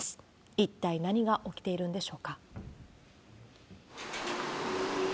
一体何が起きているんでしょうか。